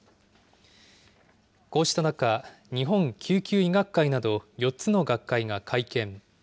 こうした中、日本救急医学会など４つの学会が会見。